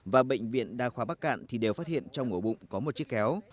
và bệnh viện đa khoa bắc cạn thì đều phát hiện trong ổ bụng có một chiếc kéo